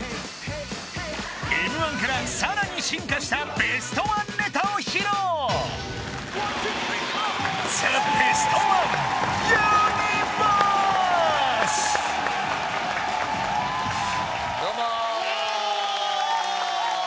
Ｍ−１からさらに進化したベストワンネタを披露ザ・ベストワンどうもイエーイ！